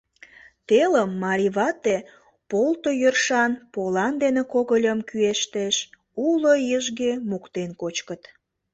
Телым марий вате полто йӧршан полан дене когыльым кӱэштеш, уло ешге моктен кочкыт.